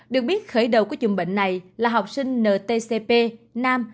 được biết khởi đầu của dùng bệnh này là học sinh ntcp nam